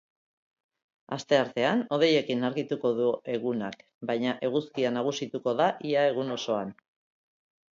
Asteartean hodeiekin argituko du egunak, baina eguzkia nagusituko da ia egun osoan.